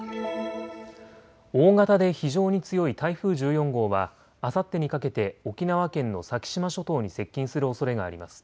大型で非常に強い台風１４号はあさってにかけて沖縄県の先島諸島に接近するおそれがあります。